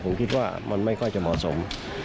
ผมคิดว่ามันไม่ค่อยจะเหมาะสม